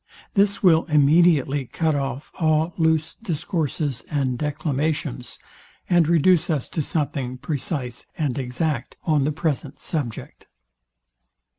This will immediately cut off all loose discourses and declamations, and reduce us to something precise and exact on the present subject.